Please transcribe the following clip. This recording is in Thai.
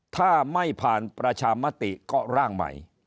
ถ้าไม่ผ่านประชามติก็ร่างใหม่